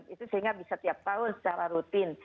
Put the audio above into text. itu sehingga bisa tiap tahun secara rutin